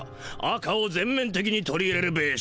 赤を全面てきに取り入れるべし。